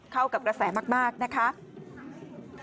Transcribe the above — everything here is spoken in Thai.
เข้ากับกระแสมากนะคะ